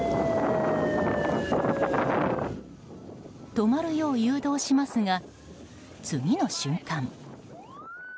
止まるよう誘導しますが次の瞬間。